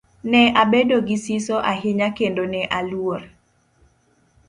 Ne abedo gi siso ahinya kendo ne aluor.